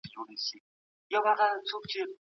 فردي هڅې ارزښت لري خو پلان غواړي.